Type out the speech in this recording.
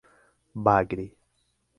Bagre